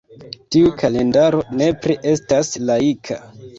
Tiu kalendaro nepre estas laika.